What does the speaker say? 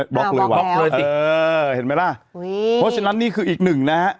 บล็อกเลยวะบล็อกเลยสิเออเห็นไหมล่ะเพราะฉะนั้นนี่คืออีกหนึ่งนะฮะ